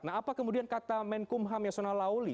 nah apa kemudian kata menkumham yasona lauli